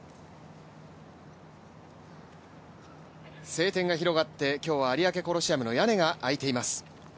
晴天が広がって今日は有明コロシアムの屋根が開いています。